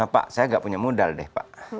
pak saya gak punya modal deh pak